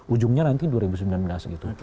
ujungnya nanti dua ribu sembilan belas gitu